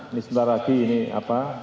ini sebentar lagi ini apa